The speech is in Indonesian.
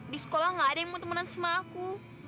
di sekolah nggak ada yang mau temenan sama aku